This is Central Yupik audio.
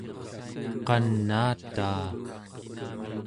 qanaataa